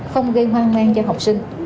không gây hoang mang cho học sinh